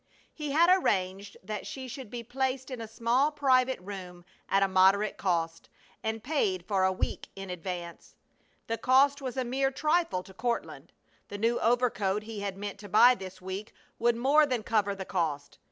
He had arranged that she should be placed in a small private room at a moderate cost, and paid for a week in advance. The cost was a mere trifle to Courtland. The new overcoat he had meant to buy this week would more than cover the cost.